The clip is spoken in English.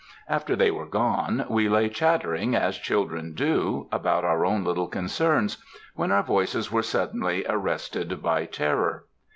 "After they were gone, we lay chattering, as children do, about our own little concerns, when our voices were suddenly arrested by terror.